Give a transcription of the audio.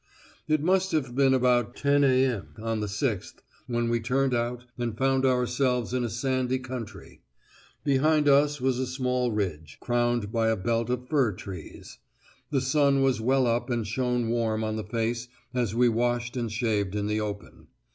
It must have been about 10 a.m. on the 6th when we turned out and found ourselves in a sandy country; behind us was a small ridge, crowned by a belt of fir trees; the sun was well up and shone warm on the face as we washed and shaved in the open.